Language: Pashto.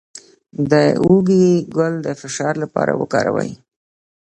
د هوږې ګل د فشار لپاره وکاروئ